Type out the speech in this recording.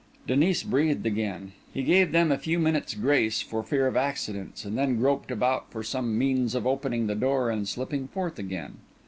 Denis breathed again. He gave them a few minutes' grace for fear of accidents, and then groped about for some means of opening the door and slipping forth again.